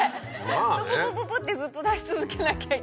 プププププってずっと出し続けなきゃいけない。